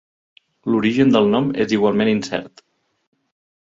L'origen del nom és igualment incert.